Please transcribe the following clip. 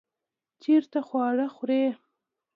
چیرته خواړه خورئ؟